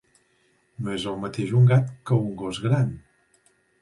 No és el mateix un gat que un gos gran.